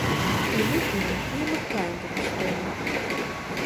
І мы імі не махаем па-пустому.